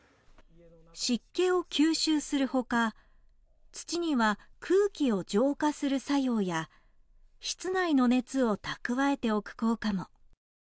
湿気を吸収するほか土には空気を浄化する作用や室内の熱を蓄えておく効果も。